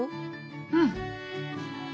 うん。